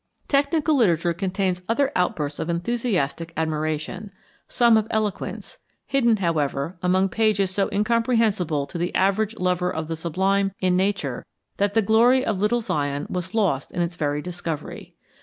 Technical literature contains other outbursts of enthusiastic admiration, some of eloquence, hidden, however, among pages so incomprehensible to the average lover of the sublime in Nature that the glory of Little Zion was lost in its very discovery.